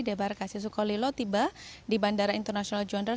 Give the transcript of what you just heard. debar kasi sukolilo tiba di bandara international jondra